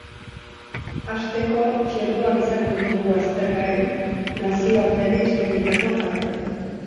Hasteko, txertoak izango ditugu aztergai, nazioarteari eskainitako tartean.